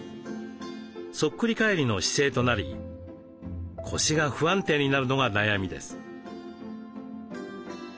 そっくり返りの姿勢となり腰が不安定になるのが悩みです。